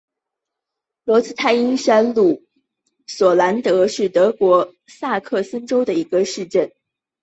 罗茨泰因山麓索兰德是德国萨克森州的一个市镇。